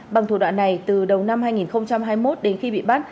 bằng thủ đoạn này từ đầu năm hai nghìn hai mươi một đến khi bị bắt